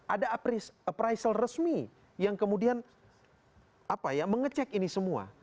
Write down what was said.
ada appraisal resmi yang kemudian mengecek ini semua